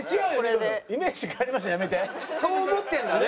そう思ってるんだね。